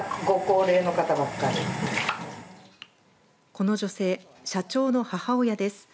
この女性、社長の母親です。